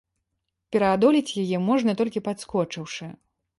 Пераадолець яе можна толькі падскочыўшы.